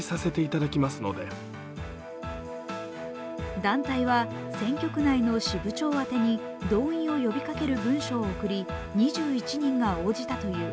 団体は選挙区内の支部長あてに動員を呼びかける文書を送り２１人が応じたという。